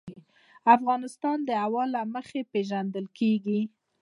افغانستان د هوا له مخې پېژندل کېږي.